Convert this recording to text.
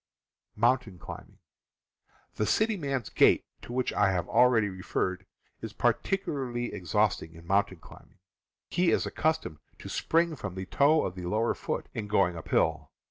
186 CAMPING AND WOODCRAFT The city man's gait, to which I have already referred, is pecuHarly exhausting in mountain cHmbing. He is _. accustomed to spring from the toe of p.. ,. the lower foot, in going uphill.